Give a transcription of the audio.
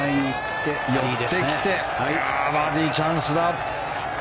寄ってきてバーディーチャンスだ。